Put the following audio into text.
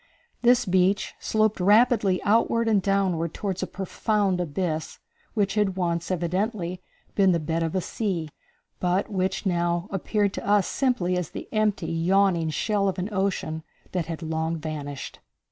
This beach sloped rapidly outward and downward toward a profound abyss, which had once, evidently, been the bed of a sea, but which now appeared to us simply as the empty, yawning shell of an ocean that had long vanished.